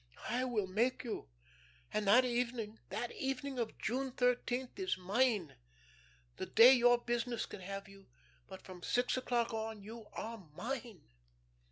I will make you. And that evening, that evening of June thirteenth is mine. The day your business can have you, but from six o'clock on you are mine."